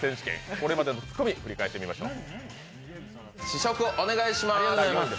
これまでのツッコミ振り返ってみましょう。